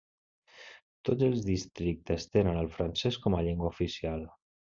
Tots els districtes tenen el francès com a llengua oficial.